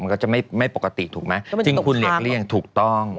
มันก็จะไม่ปกติถูกไหมจริงคุณหลีกเลี่ยงถูกต้อง